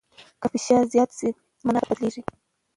که فشار زیات سي، مانا بدلیږي.